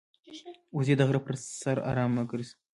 وزې د غره پر سر آرامه ګرځي